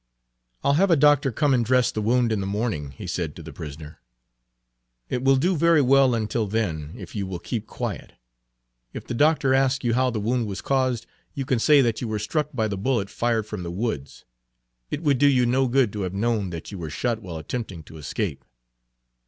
"I'll have a doctor come and dress the wound in the morning," he said to the prisoner. "It will do very well until then, if you will keep quiet. If the doctor asks you how the wound was caused, you can say that you were struck by the bullet fired from the Page 90 woods. It would do you no good to have known that you were shot while attempting to escape."